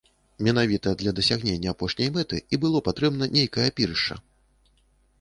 Менавіта для дасягнення апошняй мэты і было патрэбна нейкае апірышча.